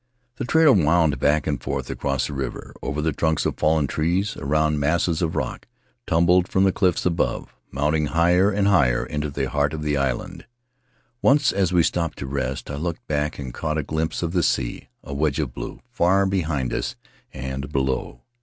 The trail wound back and forth, In the Vallev of Vaitia 4/ across the river, over the trunks of fallen trees, around masses of rock tumbled from the cliffs above, mounting higher and higher into the heart of the island. Once, as we stopped to rest, I looked back and caught a glimpse of the sea — a wedge of blue, far behind us and below.